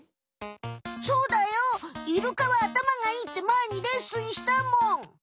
そうだよイルカはあたまがいいってまえにレッスンしたもん！